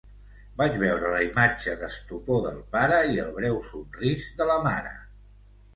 Vaig veure la imatge d'estupor del pare i el breu somrís de la mare.